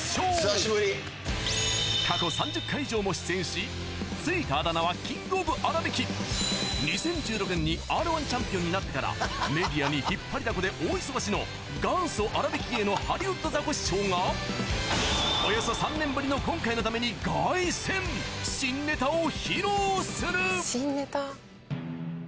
過去３０回以上も出演しついたあだ名はキングオブあらびき２０１６年にＲ−１チャンピオンになってからメディアに引っ張りだこで大忙しの元祖あらびき芸のハリウッドザコシショウがおよそ３年ぶりの今回のために凱旋新ネタを披露する！